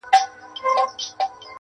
ويل زموږ د سر امان دي وې سلطانه.!